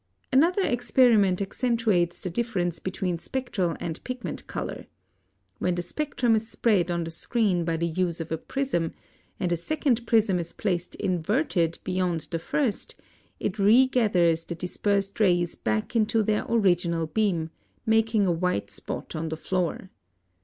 (92) Another experiment accentuates the difference between spectral and pigment color. When the spectrum is spread on the screen by the use of a prism, and a second prism is placed inverted beyond the first, it regathers the dispersed rays back into their original beam, making a white spot on the floor.